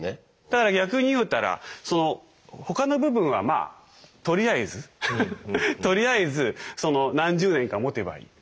だから逆に言うたらその他の部分はまあとりあえずとりあえずその何十年かもてばいい。